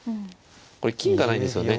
これ金がないんですよね。